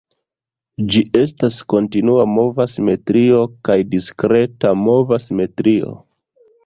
Ĝi estas kontinua mova simetrio kaj diskreta mova simetrio.